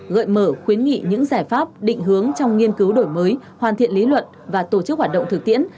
gợi mở khuyến nghị những giải pháp định hướng trong nghiên cứu đổi mới hoàn thiện lý luận và tổ chức hoạt động thực tiễn